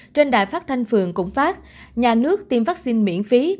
trên đài phát thanh phường cũng phát nhà nước tiêm vaccine miễn phí